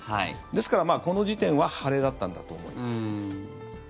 ですから、この時点は晴れだったんだと思います。